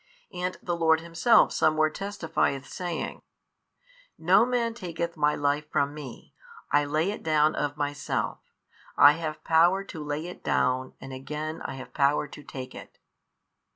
and the Lord Himself somewhere testifieth saying, No man taketh My life from Me, I lay it down of Myself: I have power to lay it down, and again I have power to take it.